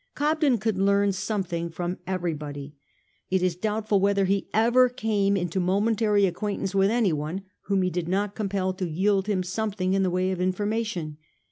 Cob den could learn something from everybody. It is doubtful whether he ever came even into momentary acquaintance with anyone whom he did not compel to yield him something in the way of information.